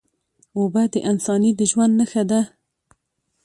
اوبه د انساني ژوند نښه ده